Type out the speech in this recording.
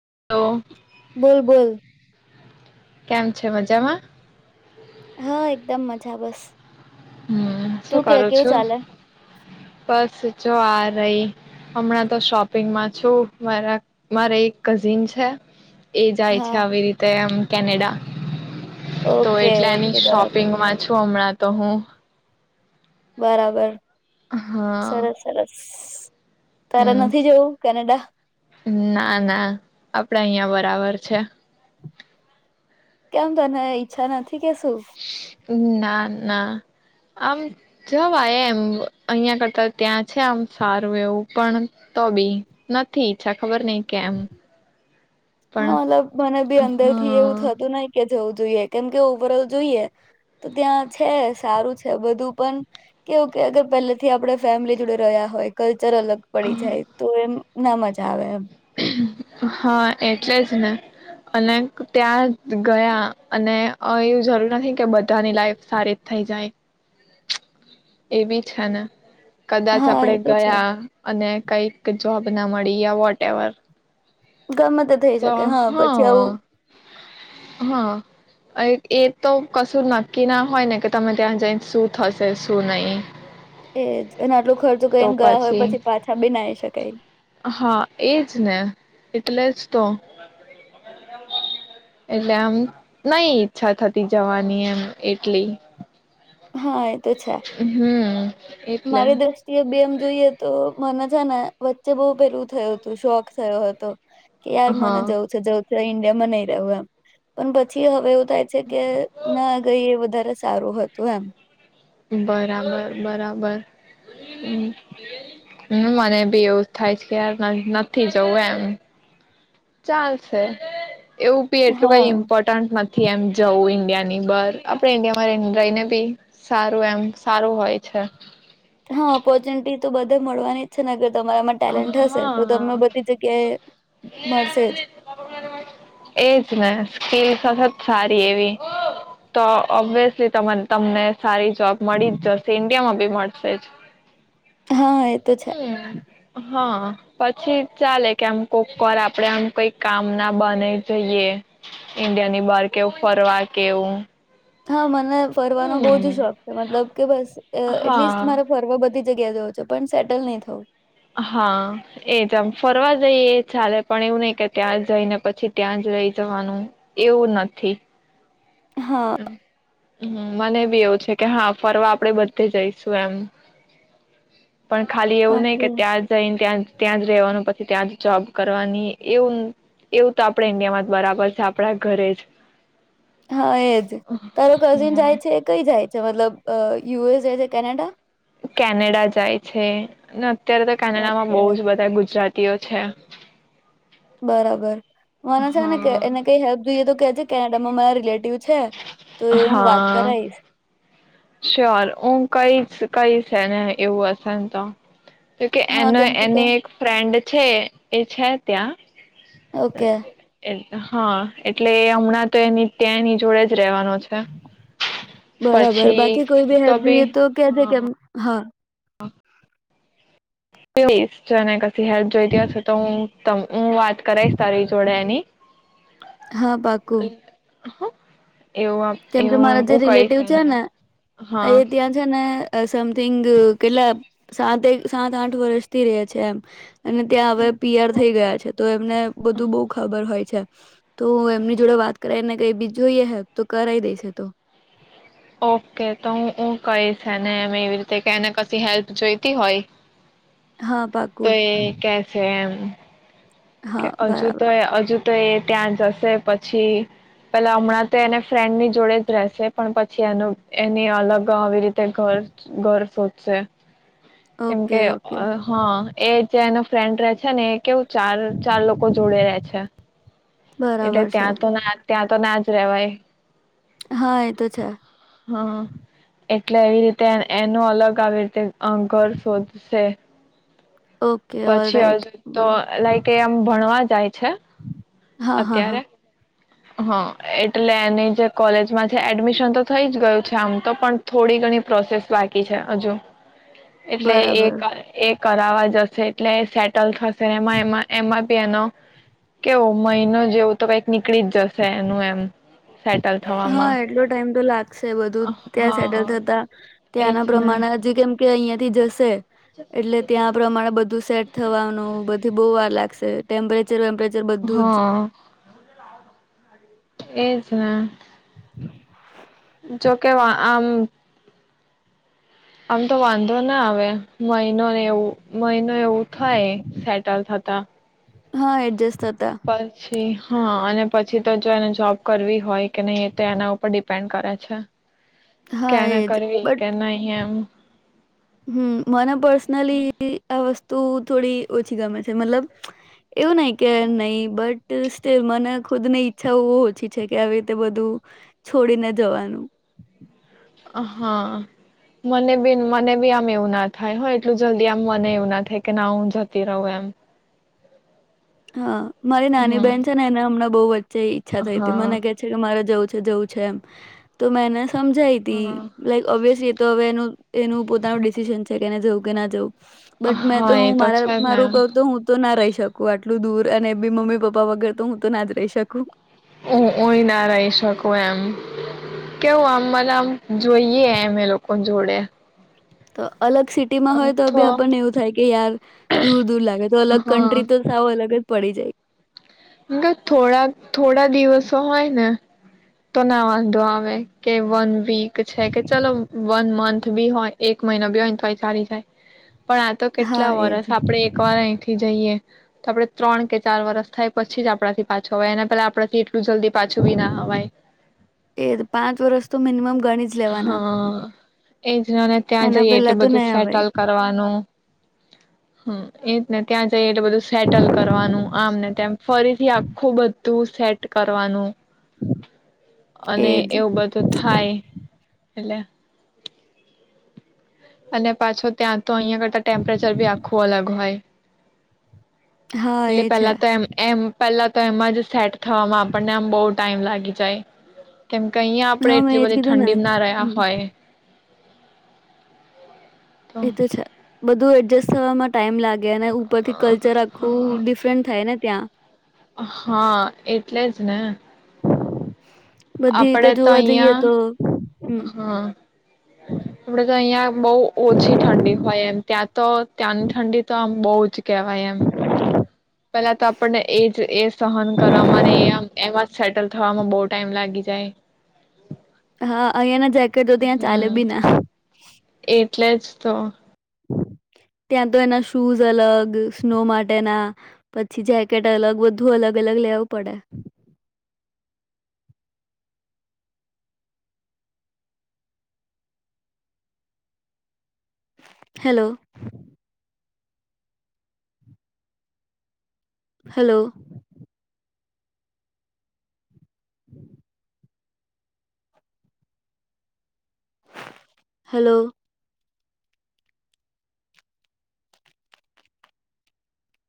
[unintelligible] Hello! બોલ બોલ. કેમ છે મજામાં.? હા! એકદમ મજા બસ. હમ શું તું કે કરું કેવું છું ચાલે.? બસ જો આ રહી, હમણાં તો શોપિંગમાં છું. મારા મારે એક કઝિન છે. એ જાય છે. હા આવી રીતે આમ. કેનેડા. તો ઓકે એટલે એની ઓકે બરાબર શોપિંગ માં છું હમણાં. તો હું. બરાબર. હા. હ. [inaudible] હમ, ના ના આપડાે અહં બ બરાબર છે. કેમ તને ઈચ્છા નથી? ીક છું. ના ના, આમ જવા એમ અહિયાં કરતા ત્યાં છે આમ સારું એવું પણ તો બી, નથી ઈચ્છા ખબર નહીં કેમ. પણ હા મતલબ મને બી અંદર થી એવું હા થતું નહ કે જવું જોઈએ કેમ કે ઓવર ઓલ જોઈએ, તો ત્યાં છે સારું છે બધું પણ, કેવું કે અગર પહેલેથી આપણે ફેમિલી જોડે રહ્યા હોયલ્ ચર અલગ પડી જાય તો એમ. ના મજા આવે એમ. હા એટલે જ ને, અને ત્યાં ગયા અને એવું જરૂર નથી કે બધાની લાઈફ સારી થઈ જાય. એ બી છે ને. કદાચ હા આપડે એ તો છે ગયા અને કઈક જોબ ના મળી યા વોટ એવર. ગમે તે થઈ શકે હા પછી આવું હા એ તો કશું નક્કી ના હોય ને કે તમે ત્યાં જઈ શું થશે શું નહી. એજ અને આટલો ખર્ચો કરીને ગયા હોય પછી પાછા બી ના આવી શકાય. હા એજ ને એટલે જ. તો, એટલે આમ નઈ ઈચ્છા થતી જવાની એમ એટલી. હા એ તો છે. હમ એટલે મારી દ્રષ્ટિએ બેમ જોઈએ તો. મને છે ને વચ્ચે બહુ પેલું થયું હતું શોખ થયો હતો. કે યાર હા મને જવું છે જ. ઈન્ડિયામાં નહી રહવ્યું એમ, પણ પછી હવે થાય છે કે ના ગઈ એ વધારે સારું હતું એમ બરાબર, બરાબર, હમ્મ મને બી એવું જ થાય છે ક યાર નથી જવું એમ ચાલશે. એવું બી એટલું કઈ હા ઇમ્પોર્ટન્ટ નથ થી એમ જવું ઈન્ડિયાની બાર, આપડે ઇન્ડિયામાં રઈ રઈને બી સારું એમ સારું હોય છે. હા ઓપોર્ચ્યુનિટી તો બધે મળવાની જ છેને અગર તમારામાં ટેલેન્ટ હાં, હશે તો તમને હાં, બધી જગ્યાએ મળશે જ એજ ને સ્કીલ સાથે સારી એવી તો ઓબ્વિયસલી તમન તમને સારી જોબ મળી જ જશે ઇન્ડિયામાં ઈ મળશે જ હા, એ તો છે. હાં પછી ચાલે કે આમ કોક વાર આપડે આમ કંઈ કામ ના બ્હાને જઈએ ઇન્ડિયાની બાર કે એવું ફરવા કે એવું હા મન ને ફરવાનો બઉ જ શોખ છે મતલબ કે બસ અ એટલીસ્ટ હા મારે ફરવા બધી જ જગ્યાએ જવુ છે, પણ સેટલ નઈ થવું હા એજ આમ ફરવા જઈએ એ ચાલે, પણ એવું નઈ કે ત્યાં જઈને પછી ત્યાં જ રઈ જવાનું, એવું નથી હા હં મને બી એવુ છે. કે હા ફરવા આપડે બધે જઈશું એમ પણ ખાલી એવું નઈ ઓકે કે ત્યાં જઈન ત્યાં જ ત્યાં જ રહેવાનું પછી ત્યાં જ જોબ કરવાની એવું, એવું તો આપણે ઈન્ડિયામાં જ બરાબર છે, આપડા ઘરે જ હા, એજ તારો કઝિન જાય હમ છે કઈ જાય મતલબ અ યુએસ છે, કેનેડા કેનેડા જાય છે અત્યારે તો કેનાડામાં ઓકે બહુ જ બધા ગુજરાતી તીયો છે બરાબર મને છે ને એને હા કઈ હેલ્પ જોઈએ તો કે જે છે કેનાડામા મારા રિલેટીવવ છે તો એ હું વાત હા કરાઈશ શ્યોર હું કઈશ કઈશ એને એવું અસેન તો કે કે હા એને કેમ કે એને કે એક ફ્રેન્ડ છે એ છે ત્યાં ઓકે હા એટલે એ હમણાં તો એની ત્યાં ની જોડે રેવાનો છે પછી બર બાકી કોઈ બી હેલ્પ જોઈએ તો કે જો કે હા હા ચે [unintelligible] તહેવાર જોઈવા છતો હોય. તમ હું વાત કરાઈશ તારી જોડે એની. હા પાકુ. હા કેમ કે મારા જે રિલેટિવ છે ને હા એ ત્યાં છે ને સમથીગ કેટલા સાત એક સાત આઠ વર્ષથી રહે છે એમ અને ત્યાં હવે પી આ ર થઈ ઓ- ગયા છે તો એમને બધું બહુ ખબર હોય છે તો એમની જોડે વાત કરાયને કઈ બીજું જોઈએ હ- કરય દેશે તો ઓકે તો હું હું કહીશ ને એવી રીતે કે એને કશી હેલ્પ જોઈતી હોય હા તો પાકું એ કે છે હા કે હજુ તો બરાબર હજુ તો એ ત્યાં જશે પછી પેલા હમણાં તો એને ફ્રેન્ડની જોડે જ રહેશે પણ પછી એનું એની અલગ આવી રીતે ઘર ઘર સોધશે કેમ ઓકે કે ઓકે હા એ જ એનો ફ્રેન્ડ રહે છે ને એક કે એવું ચાલ લોકો જોડે રે છે એટલે બરાબર છે ત્યાં તો ત્યા ના જ રવાય હા એ તો છે હા એટલે એવી રીતે એનો અલગ આવી રીતેઅ ઘર શોધશે ઓકે ઓલ પછી હજુ રાઈટ તો બરાબર લાઈઇક એ આમ ભણવા જાય છે હા હા હા અત્યારે હા એટલે એની જે કોલેજમાં છે એડમિશન તો થઈ જ ગયું છે આમ તો પણ થોડી ઘણી પ્રોસેસ બાકી છે હજુ એટલે બરાબર એક એક કરાવા જશે એટલે સેટલ થશે એમાં એમાં એમાં ત્યાં નો કેવો મહિનો જેવું તો કઈક પકનીકી જ જશે એનું એમ સેટલ હા થવામાં એટલો ટાઈમ તો લાગશે બધું ત્યાં સેટલ હા થતા એજ ત્યાંના ને પ્રમાણેજ કેમ કે અહિયાંથી જશે એટલે ત્યાં પ્રમાણે બધું સેટ થવાનું બધી બહુ વાર લાગશે ટેમ્પરેચર વેમ્પરેચર બધું જ હા એ જણા જો કે આમ આમ તો વાંધો ના આવે મહિનો એવું મહિનો એવું થાય સેટલ થતા હા એડજસ્ટ થતા [unintelligible] હા અને પછી તો જો એને જોબ કરવી હોય કે નહીં એ તો એના ઉપર ડિપેન્ડ કરે છે. કે હા ના એજ કરવી કે બટ નહીં એમ. હમ મને પર્સનલી તો થોડી ઓછી ગમે છે મતલબ. એવું નહી કે નહી બટ મને ખુદ ની ઈચ્છા ઓછી છે કે આવી રીતે બધું, છોડીને જવાનું. હા, મને બી મને બી આમ એવું ના થાય હ એટલું જલ્દી આમ મને એવું ના થાય કે ના હું જતી રહું એમ. હા મારી નાની હમ બેહેન છે ને એના હમણાં બોવ જ. જે ઈચ્છા થઈ હતી મને હા ક છે કે મારે જવું છે એમ, તો મે અને સ સમજાય તી હા [unintelligible] હવે સીતે એનું એનું પોતાનું ડિસિજન છે કે એને જવું કે ના જવું બટ મેં હા તો એ હું મારા, છે જ ને મારું કહ તો હું તો ના રહીશ છકુઆટ [unintelligible] એટલું દૂર અને બી મમ્મી-પપ્પા વગર તો હું તો ના જ રહી શકું ઓય હુઅ ના રહી શકુ એમ કેવું આમ મને આમ જોઈએ એમ લોકો જોડે તો અલગ સિટીમાં હોય તો બી આપણને એવું થાય કે યાર દૂર દૂર લાગે તો અલગ હા કન્ટ્રી તો સાવ અલગ જ પડી જાય થોડા થોડા દિવસો હોય ને તો ના વાંધો આવે કે વન વીક છે, કે ચલો વન મંથ બી હોય એક મહિના બી હોય તોય ચાલી જાય પણ આ તો કેટલા હા, એજ. વરસ આપડે એક વાર અહીંથી જઈએ તો આપડે ત્રણ કે ચાર વરસ થાય પછી જ આપડાથી પાછો અવાય એને પેલા આપણા થી એ પાંચ વર્ષ તો મિનિમમ ગણી જ હ, લેવાના. એ જ નાને ત્યાં એના જઈએ એટલે પહેલા તો બધું નહીં સેટલ અવાય. કરવાનું હ એ જ ત્યાં એટલે બધું સેટલ કરવાનું આમ ને તેમ, ફરીથી આખું બધું તું સેટ કરવાનું. અને એજ. એવું બધું થાય. એટલે. અને પાછો ત્યાં તો અહીંયા કરતાં ટે્પરેચર બી આખું અલગ હોય. હા એટલે એ છે પેલા તો એમ એમ. પેલા તો એમાં જ સેટ થમાં આપણને આમ બહુ ટાઈમ લાગી જાય. કેમ કે અહીં આપડે હા મેં એટલી એજ બધી કીધું ને ઠંડી ના રહ્યા હમ હોય. એ તો છે બધું એડજસ્ટ થવામાં ટાઈમ લાગે. ને ઉપરથી કલ્ચર આખું ડિફરન્ટ થાય ને ત્યાં. હા એટલે જ ને. બધી રીતે આપડે તો જોવા જઈએ અહિયાં, તો હમ આપડે તો અહિયાં બહ ઓછી ઠંડી હોય એમ ત્યાં તો ત્યાંની ઠંડી તો આમ બહુ જ કેહેવાય એમ. પેલા તો આપણને એજ એ સહન કરવામાં એમ એમાં જ સેટલ થવામાં બહુ ટાઈમ લાગી જાય. હા અહિયાંના જેકેટ જો તં ચાલે હમ બી ના. એટલે જ તો. ત્યાં તો એના શૂઝ અલગ સ્નો માટેના, પછી જેકેટ અલગ બધું અલગ અલગ લેવું પડે. હલો. હલો. હમ. હલો.